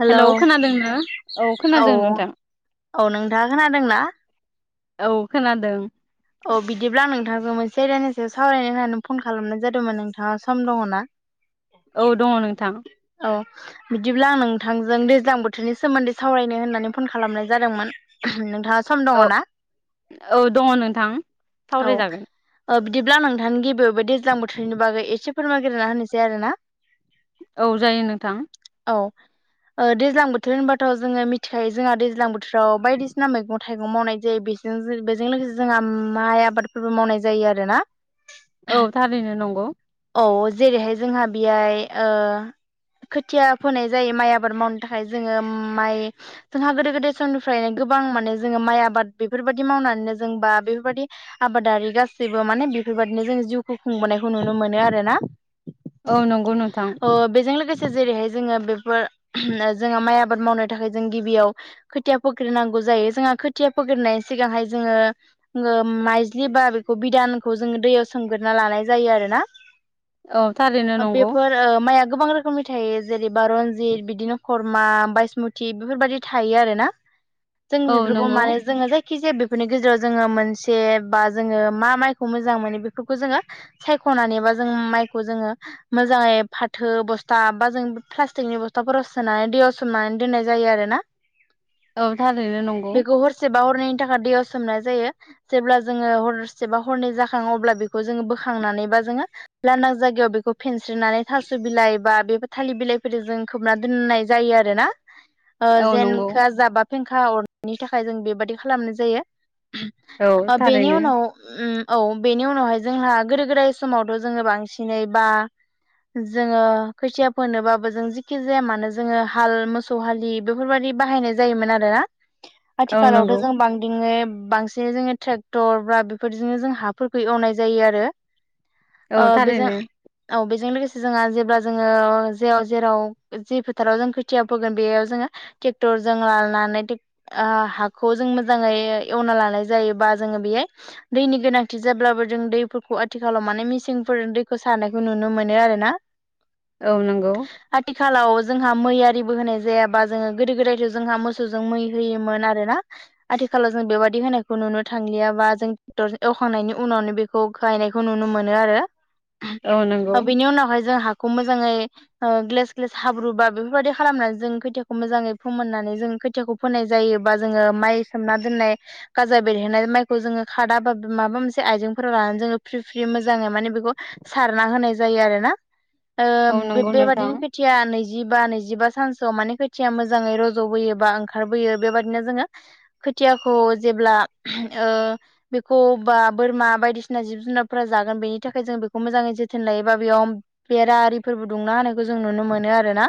Hello hello खोनादोंना? औ खोनादों नोंथां। औ नोंथाङा खोनादों ना? औ खोनादों। औ बिदिब्ला आं नोंथांजों मोनसे एरानिसो सावरायनो होननानै फन खालामनाय जादोंमोन नोंथाङा सम दङ ना? [inaudible] औ दङ नोंथां। औ। बिदिब्ला आं नोंथांजों दैज्लां बोथोरनि सोमोन्दै सावरायनो होननानै फन खालामनाय जादोंमोन। नोंथाङा सम दङ ना? औ दङ नोंथां। औ सावरायजागोन ओ बिदिब्ला नोंथां गिबियाव बे दैज्लां बोथोरनि बागै एसे फोरमायगोरना होनोसै आरोना। औ जायो नोंथां। औ। ओ दैज्लां बोथोर होनबाथ' जोङो मिथिखायो जोंहा दैज्लां बोथोराव बायदिसिना मैगं थाइगं मावनाय जायो बे जों बेजों लोगोसे जोंहा माइ आबादफोरबो मावनाय जायो आरो ना। औ थारैनो नंगौ। औ जेरैहाय जोंहा बेहाय ओ खोथिया फोनाय जायो माइ आबाद मावनो थाखाय जोङो माइ जोंहा गोदो गोदाय समनिफ्रायनो गोबां माने जोङो माइ आबाद बेफोरबायाददि मावनानैनो जों बा बेफोरबायदि आबादारि गासैबो माने बेफोरबायाददिनो जों जिउखौ खुंबोनायखौ नुनो मोनो आरो ना औ नंगौ नोंथां ओ बेजों लोगोसे जेरैहाय जोङो बेफोर जोंङहा माइ आबाद मावनो थाखाय जों गिबियाव खोथिया फोग्रोनांगौ जायो जोंहा खोथिया फोग्रोनायनि सिगांहाय जोङो जोंङो माइज्लि बा बेखौ बिदानखौ जोङो दैयाव सोमगोरना लानाय जायो आरोना। औ थारैनो नंगौ बेफोर ओ माइया गोबां रो सम मथे जेनेबा रनजित बिदिनो खरमा बायसमुथि बेफोरबायाददि थायो आरोना। जों औ बेफोरखौ नंगौ माने जोङो जायखि जाया बेफोरनि गेजेराव जोङो मोनसे बा जोङो मा माइखौ मोजां मोनो बेफोरखौ जोङो सायख'नानैबा जों माइखौ जोङो मोजाङै फाथो बस्था बा जों प्लास्टिकनि बस्थाफोराव सोनानै दैयाव सोमनानै दोननाय जायो आरो ना [inaudible] औ थारैनो नंगौ सोबा हरनायनि थाखाय दैयाव सोमनाय जायो जेब्ला जोङो हरसेबा हरनै जाखङो अब्ला बेखौ जोङो बोखांनानैबा जोङो लांदां जायगायाव बेखौ फेनस्रिनानै थास' बिलाइ बा बे थालिर बिलाइफोरजों जों खोबना दोननाय जायो आरो ना औ नंगौ जेनखो जाबाब फेंखा अरनायनि थाखाय जों बेबादि खालामनाय औ जायो बेनि थारैनो उनाव उम औ बेनि उनावहाय जोंहा गोदो गोदाय समावथ' जोङो बांसिनै बा जोङो खोथिया फोनोबाबो जों जखि जाया मानो जोङो हाल मो सौ हालि बेफोरबायाददि बाहायनाय जायोमोन आरोोना औ आथिखालावथ' नंगौ जों बांदियै बांसिन जोङो ट्रेक्टर बा बेफोरजोंनो जों हाफोरखौ एवनाय जायो आरो औ आ बिजों थारैनो औ बेजों लोगोसे जोंहा जेब्ला जोङो जेराव जेराव जि फोथाराव जों खोथिया फोगोन बेयाव जोङो ट्रेक्टर जों लालानानै टेक आ हाखौ जों मोजाङै एवना लानाय जायोबा जोङो बेये दैनि गोनांथि जाब्लाबो जों दैफोरखौ आथिखालाव माने मिसिंफोर दैखौ सारानायखौ नुनो मोनो आरो ना [inaudible] औ नंगौ। आथिखालाव जोंहा मै आरिबो होनाय जायाबा जोङो गोदो गोदायथ' जोंहा मोसौजों मै होयोमोन आरोना आथिखालाव जों बेबादि होनायखौ नुनो थांलियाबा जों क्टर एवखांनायनि उनावनो बेखौश खायनाय खौ नुनो मोनो आरो औ नंगौ बेनि उनावहाय जों हाखौ मोजाङै ओ ग्लेस ग्लेस हाब्रुबा बेफोरबायाददि खालामनानै जों खैथियाखौ मोजाङै फोमोननानै जों खोथिखौ फोनाय जायोबा जोङो माइ सोमना दोननाय गाजा बेरहोनाय माइखौ जोङो खादा बा माबा मोनसे आइजेंफोराव लानानै जोङो फ्रि फ्रि मोजाङै माने बेखौ सारना होनाय जायो आरो ना ओ औ नंगौ नोंथां बेबादिनो खोथिया नैजिबा नैजिबा सानसोआव माने खोथिया मोजाङै रज'बोयो बा ओंखारबोयो बेबादिनो जोङो खोथियाखौ जेब्ला ओ बेखौ बा बोरमा बायदिसिना जिब जुनारफोरा जागोन बेनि थाखाय जों बेखौ मोजाङै जोथोन लायोबा बेयाव बेरा आरिफोरबो दुंना होनायखौ जों नुनो मोनो आरो ना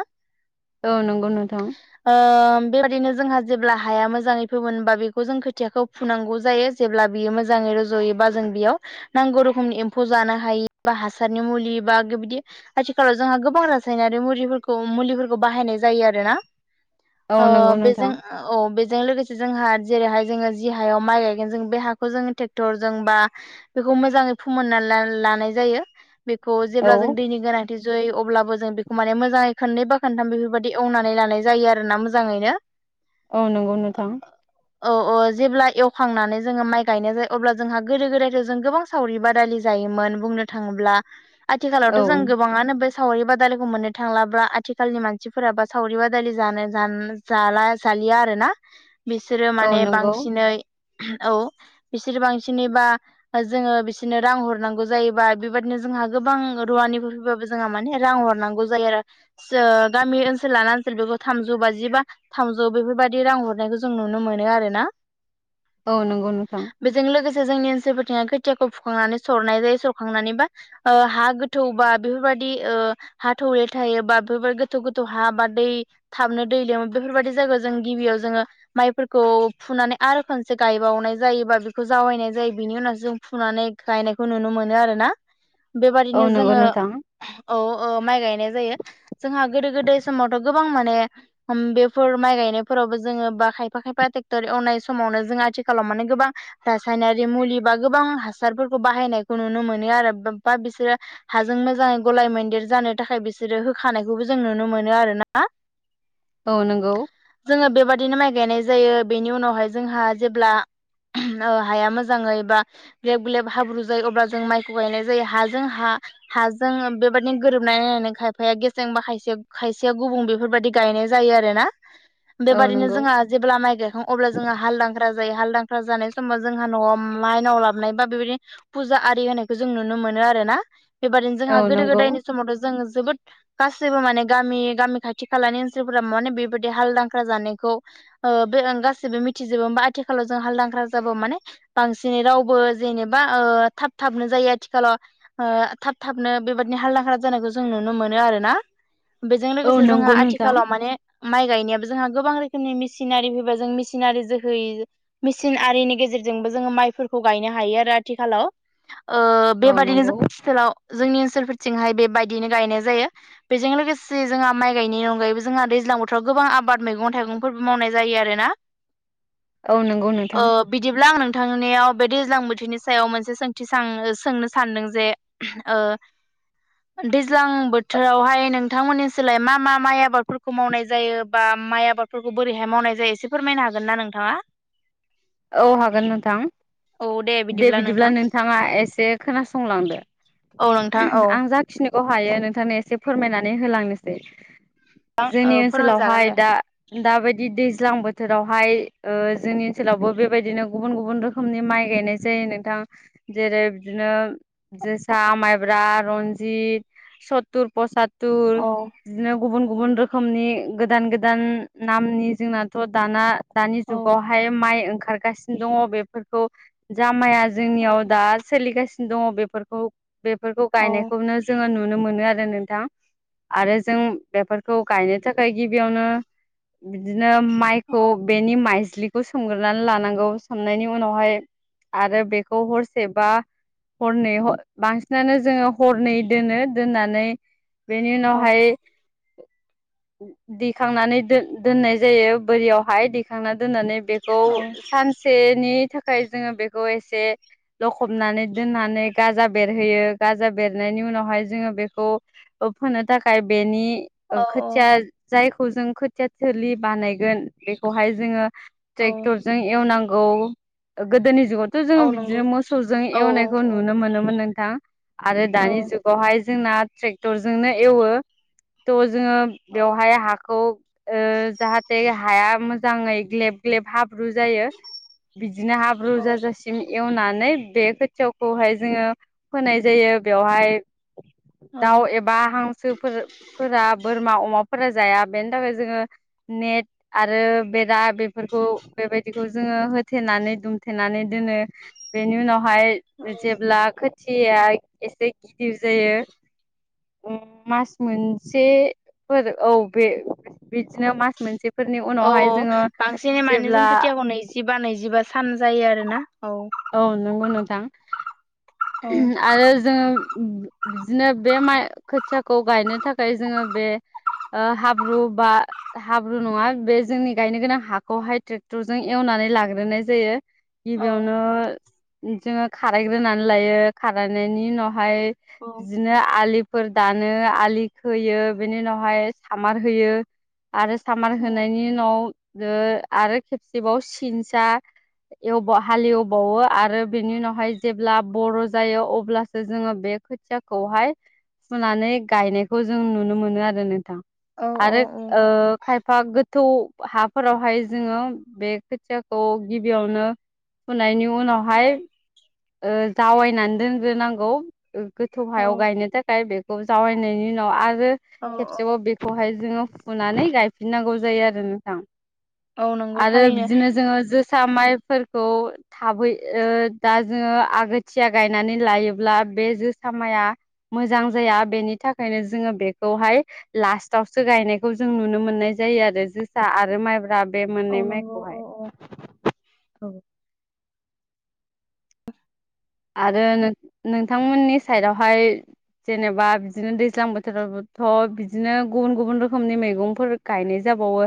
औ नंगौ नोंथां ओम बेबायाददिनो जोंहा जेब्ला हाया मोजाङै होमोनबा बेखौ जों खोथियाखौ फुनांगौ जायो जेब्ला बियो मोजाङै रज'योबा जों बेयाव नांगौ रोखोमनि एम्फौ जानो हायि बा हासारनि मुलि बा बेबायदि आथिखालाव जोंहा गोबां रासायनारि मुलिफोरखौ मुलिफोरखौ बाहायनाय जायो आरो ना औ आ नंगौ बेजों नोंथां औ बेजों लोगोसे जोंहा जेरैहाय जोङो जि हायाव माइ गायगोन जों बे हाखौ जोङो ट्रेक्टरजों बा बेखौ मोजाङै फोमोनना लानाय जायो बेखौ औ जेब्ला जों दैनि गोनां जै अब्लाबो जों बेखौ माने मोजाङै खननै बा खोनथाम बेफोरबायदि एवनानै लानाय जायो आरोना मोजाङैनो औ नंगौ नोंथां औ औ जेब्ला एवखांनानै जोङो माइ गायनाय जायो अब्ला जोंहा गोदो गोदायथ जों गोबां। सावरि बादालि जायोमोन बुंनो थाङोब्ला औ आथिखालावथ' जों गोबाङानो बे सावरि बादालिखौ मोननो थांलाब्ला आथिखालनि मानसिफोराबो सावरि बादालि जानो ज जाला जालि आरोना बिसोरो औ माने नंगौ बांसिनै औ बिसोरो बांसिनैबा जोङो बिसोरनो रां हरनांगौ जायोबा बेबायाददिनो जोंहा गोबां रुवानिफ्राय फैबाबो जोंहा माने रां हरनांगौ जायो आरो। गामि ओनसोल लाना ओनसोल बेखौ थामजौ बाजि बा थामजौ बेफोरबायाददि रां हर नायखौ जों नुनो मोनो आरो ना। औ नंगौ नोंथां। बेजों लोगोसे जोंनि ओनसोलफोरथिा खोथियाखौ फुखांनानै सरनाय जायो सरखांनानै बा हा गोथौ बा बेफोरबाददि हा थौले थायोबा बेफोरब गोथौ गोथौ हा बारदै थाबनो दै लोमो बेफोरबायदि जायगायाव जों गिबियाव जोङो माइफोरखौ फुनानै आरो खनसे गायबावनाय जायो बा बेखौ जावैनाय जायो बिनि उनाव जों फुनानै गायनायखौ नुनो मोनो आरोना बेबादिनो औ नंगौ जोङो नोंथां औ माइ गायनाय जों गोदो गोदाय समावथ' गोबां माने बेफोर माइ गायनायफोरावबो जोङो बा खायफा खायफा ट्रेक्टर एवनाय समावनो जों आथिखालाव माने गोबां रासायनारि मुलि बा गोबां हासारफोरखौ बाहायनायखौ नुनो मोनो आरो बा बिसोरो हाजों मोजाङै गलाय मैदेर जानो थाखाय बिसोरो होखानायखौबो जों नुनो मोनो आरो ना। [inaudible] औ नोंगौ। जोङो बेबादिनो माइ गायनाय जायो बेनि उनावहाय जोंहा जेब्ला हाया मोजाङै बा ग्लेब ग्लेब हाब्रु जायो अब्ला जों माइखौ गायनाय जायो हाजों हा हाजों बेबदिनो गोरोबनाय नायनानै खायफाया गेसें बा खायसे खायसेया गुबुं बेफोरबायदि गायनाय जायो आरो ना औ बेबादिनो नंगौ जोंहा जेब्ला माइ गायाखां अब्ला जोंहा हालदांख्रा जायो हालदांख्रा जानाय समाव जोंहा न'आव माइनाव लाबनाय बा बेबायदि फुजा आरि होनायखौ जों नुनो मोनो आरो ना बेबादिनो औ जोंहा गोदो नंगौ गोदायनि समावथ' जों जोबोद गासैबो माने गामि गामि खाथि खालानि ओनसोलफोरा माने बेबायाददि हालदांख्रा जानायखौ बे गासिबो मिथिजोबोा आथिखालाव जों हालदांख्रा जाबो माने बांसिनै रावबो जेनेबा थाब थाबनो जायो आथिखालाव थाब थाबनो बेबादिनो हालदांांगला जानायखौ जों नुनो मोनो आरो ना। बेजों औ लोगोसे जोंहा नंगौ नोंथां आथिखालाव माने माइ गायनायाबो जोंहा गोबां रोखोमनि मिसिनारि फैबा जों मिसिनारि जोहैयो मेसििन आरिनि गेजेरजोंबो जोङो माइफोरखौ गायनो हायो आरो आथिखालाव औ बेबायदिनो नंगौ जों ओथिसोलाव जोंनि ओनसोलफोरथिंहाय बेबायदिनो गायनाय जायो। बेजों लोगोसे जोंहा माइ गायनि अनगायैबो जोंहा दैज्लां बोथोराव गोबां आबाद मैगं थाइगंफोर मावनाय जायो आरो ना। औ नंगौ नोंथां। बिदिब्ला आं नोंथांनियाव बे दैज्लां बोथोरनि सायाव मोनसे सोंथि सो सोंनो सानदों जे दैज्लां बोथोर बोथोरावहाय नोंथांमोननि सोलाय मा मा माइ आबादफोरखौ मावनाय जायो? बा माइ आबाद फोरखौ बोरैहाय मावनाय जायो एसे फोरमायनो हागोन ना नोंथाङा। औ हागोन नोंथां। दे बिदिब्ला नोंथाङा एसे खोनासंलांदो औ नोंथां औ आं जा खिनिखौ हायो नोंथांनो एसे फोरमायनानै होलांनोसै औ जोंनि फोरमायजागोन ओनसोलावहाय दे दा दाबायदि दैज्लां बोथोरावहाय जोंनि ओनसोलावबो बेबायदिनो गुबुन गुबुन रोखोमनि माइ गायनाय जायो नोंथां जेरै बिदिनो जोसा माइब्रा रनजित सत्तुर पसतत औ बिदिनो गुबुन गुबुन रोखोमनि गोदान गोदान नामनि जोंनाथ' दाना दानि औ जुगावहाय माइ ओंखारगासिनो दङ बेफोरखौ जा माइया औ जोंनियाव दा सोलिगासिनो दङ बेफोरखौ बेफोरखौ औ गायनायखौनो जोङो नुनो मोनो आरो नोंथां। आरो जों बेफोरखौ गायनो थाखाय गिबियावनो बिदिनो औ माइखौ बेनि माइज्लिखौ सोंग्र सनानै लानांगौ सोमनायनि उनावहाय आरो बेखौ हरसेबा हरनै बांसिनानो जोङो हरनै दोनो दोननानै बेनि औ उनावहाय दिखांनानै दोननाय जायो बोरियावहाय दिखांनानै दोननानै खौ सानसेनि थाखाय जोङो बेखौ एसे लखबनानै दोननानै गाजा बेरहोयो गाजा बेरनायनि उनावहाय जोङो बेखौ होनोनो थाखाय बेनि औ खोथिया जायखौ जों खोथिया थोलि बानायगोन बेखौहाय जोङो औ ट्रेक्टरजों एवनांगौ गोदोनि जुगाव थ' औ जोङो नंगौ बिदिनो मोसौजों औ एवनायखौ औ नुनो मोनोमोन नोंथां आरो औ दानि जुग बेवहाय जोंना ट्रेक्टरजोंनो एवो थ' जोङो बेवहाय हाखौ जाहाथे हाया मोजाङै ग्लेब ग्लेब हाब्रु जायो बिदिनो हाब्रु औ जाजासिम एवनानै बे ावखौहाय जोङो होनाय जायो बेवहाय औ दाउ एबा बा हांसोफोरा बोरमा अमाफोरा जाया बेनि थाखाय जोङो नेट आरो बेरा बे बेफोरखौ बेबायदिखौ जोङो होथेनानै दुमथेनानै दोनो बेनि उनावहाय जेब्ला खोथिया एसे गिदिर जायो मास मोनसेफोर औ बे बिदिनो मास मोनसे फोरनि औ उनावहाय जोङो बांसिनै मानो जों जेब्ला खोथियाखौ नैजिबा नैजिबा सान जायो आरो ना औ औ नंगौ नोंथां आरो जोङो बिदिनो बे माइ खोथियाखौ गायनो थाखाय जोङो बे हाब्रु बा हाब्रु नङा बे जोंनि गायनो गोनां हाखौहाय ट्रेक्टरजों एवनानै लाग्रोनाय जायो औ गिबियावनो जोङो खारायग्रोनानै लायो खारायनायनि उनावहाय ज औ बिदिनो आलिफोर दानो आलि खोयो बिनि उनावहाय सामार होयो आरो सामार होनायनि उनाव आरो खेबसेबाव सिनसा एवबा हालेवबावो आरो बिनि उनावहाय जेब्ला बर' जायो अब्लासो जोङो बे खोथियाखौहाय फुनानै गायनायखौ जों नुनो मोनो आरो नोंथां औ आरो खायफा गोथौ हाफोरावहाय जोङो बे खोथियाखौ गिबियावनो हुनायनि उनावहाय जावायनानै दोनग्रोनांगौ गोथौ औ हायाव गायनो थाखाय बेखौ जावरायनायनि उनाव आरो औ खेबसेबाव बे खौहाय जोङो फुनानै गायफिननांगौ जायो आरो नोंथां औ नंगौ आरो थारैनो बिदिनो जोङो जोसा माइफोरखौ थाबै दा जोङो आगोथिया गायनानै लायोब्ला बे जोसामाया मोजां जाया बेनि थाखायनो जोङो बेखौहाय लास्थआवसो गायनायखौ जों नुनो मोननाय जायो आरो जोसा आरो माइब्रा बे मोननै माइखौहाय अह औ आरो नों नोंथांमोननि साइडआवहाय जेनेबा बिदिनो दैज्लां बोथोरावथ' बिदिनो गुबुन गुबुन रोखोमनि मैगंफोर गायनाय जाबाओ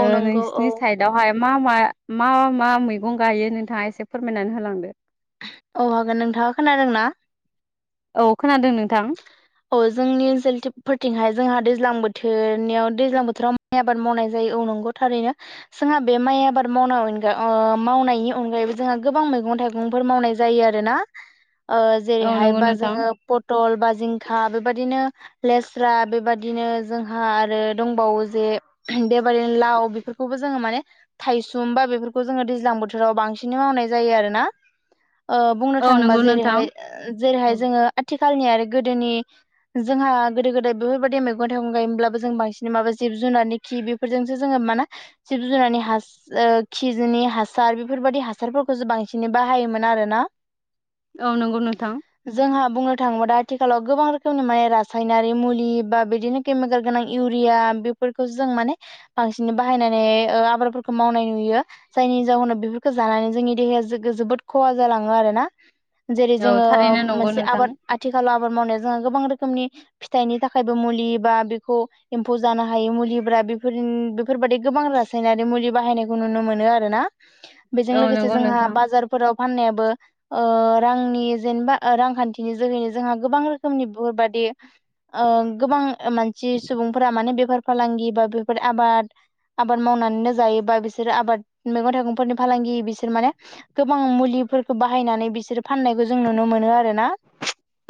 औ नंगौ औ नोंसिनि साइद बेवहाय मा मा मा मा मैगं गायो नोंथाङा एसे फोरमायना होलांदो औ हागोन नोंथाङा खोनादों ना औ खोनादों नोंथां औ जोंनि जोलथोबफोरथिंहाय जोंहा दैज्लां बोथोरनियाव दैज्लां बोथोराव माइ आबाद मावनाय जायो औ नंगौ थारैनो जोंहा बे माइ आबाद मावनाय अनगै ओह मावनायनि अनगायैबो जोंहा गोबां मैगं थाइगंफोर मावनाय जा जायो आरोना ओह औ जेरैहाय नंगौ बा नोंथां जोङो पटल बा जिंखा बेबायदिनो लेस्रा बेबादिनो जोंहा आरो दंबावो जे बेबादिनो लाव बेफोरखौबो जोङो माने थायसुम बा बेफोरखौ जोङो दैज्लां बोथोराव बांसिनै मावनाय जायो आरो ना ओह बुंनो औ थाङोबा नंगौ नोंथां जेरैहाय जेरैहाय जोङो आथिखालनि आरो गोदोनि जोंहा गोदो गोदाय बेफोरबायदि मैगं थाइगं गायोमोनब्लाबो जों बांसिन माबा जिब जुनारनि बेफोरजोंसो जोङो माना जिब जुनारनि हास ओह खिजनि हासार बेफोरबादि हासारफोरखौसो बांसिनै बाहायोमोन आरो ना औ नंगौ नोंथां जोंहा बुंनो थाङोबा दा आथिखालाव गोबां रोखोमनि माने रासायनारि मुलि बा बेदिनो केमिकेल गोनां इउरिया बेफोरखौ जों माने बांसिन बाहायनानै ओह आबारफोरखौ मावनाय नुयो जायनि जाहोनाव बेफोरखौ जानानै जोंनि देहाया जोगो जोबोद खहा जालाङो आरोना जेरै औ जोङो ओम थारैनो नंगौ मोनसे नोंथां आबाद आथिखालाव आबाद मावनायाव जोंहा गोबां रोखोमनि फिथाइनि थाखायबो मुलि बा बेखौ एम्फौ जानो हायि मुलिब्रा बेफोर बेफोरदि गोबां रासायनारि मुलि बाहायनायखौ नुनो मोनो आरो ना बेजों औ लोगोसे नंगौ जोंहा नोंथां बाजारफोराव फाननायाबो ओह रांनि जेनबा रांखान्थिनि जोहैनो जोंहा गोबां रोखोमनि बेफोरबादि ओं गोबां मानसि सुबुंफोरा माने बेफार फालांगि बा बेफोर आबाद आबाद मावनानो जायोबा बिसोरो आबाद मैगं थाइगंफोरनि फालांगि बिसोर माने गोबां मुलिफोरखौ बाहायनानै बिसोर फाननायखौ जों नुनो मोनो आरो ना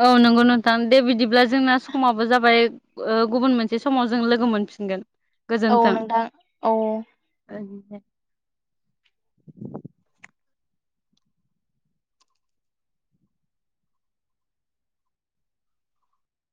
औ नंगौ नोंथां दे बिदिब्ला जोंना समाबो जाबाय ओह गुबुन मोनसे समाव जों लोगो मोनफिनगोन औ नोंथां औ गोजोन्थों